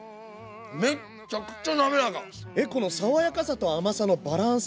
めっちゃくちゃなめらか！